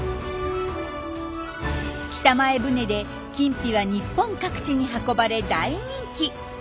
北前船で金肥は日本各地に運ばれ大人気。